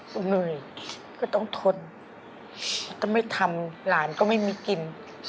เหนื่อยก็ต้องทนยังต้องไม่ทำหลานก็ไม่มีกลิ่น